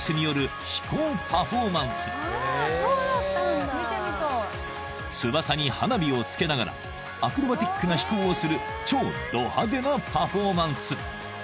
実はこれ翼に花火をつけながらアクロバティックな飛行をする超ド派手なパフォーマンス